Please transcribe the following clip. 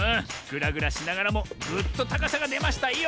ぐらぐらしながらもぐっとたかさがでましたよ！